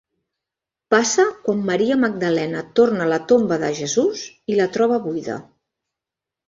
Passa quan Maria Magdalena torna a la tomba de Jesús i la troba buida.